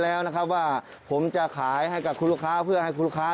แล้วนะครับว่าผมจะขายให้กับคุณลูกค้าเพื่อให้คุณลูกค้า